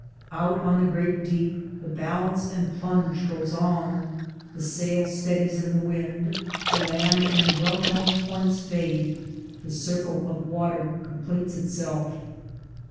Out on the great deep the balance and plunge goes on ; the sail steadies in the wind ; the land and well known points fade; the circle of water completes itself.